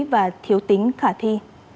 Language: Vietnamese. và thiếu tính khả thi